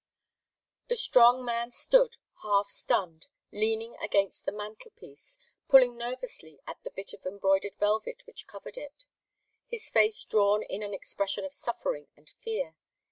The strong man stood, half stunned, leaning against the mantelpiece, pulling nervously at the bit of embroidered velvet which covered it, his face drawn in an expression of suffering and fear.